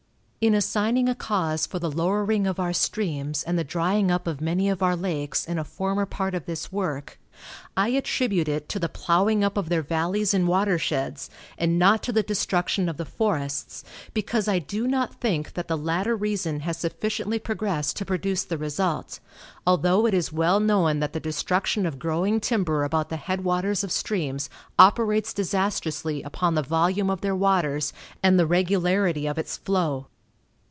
In assigning a cause for the lowering of our streams, and the drying up of many of our lakes, in a former part of this work, I attribute it to the plowing up of their valleys and watersheds, and not to the destruction of the forests, because I do not think that the latter reason has sufficiently progressed to produce the result, although it is well known that the destruction of growing timber about the head waters of streams operates disastrously upon the volume of their waters and the regularity of its flow.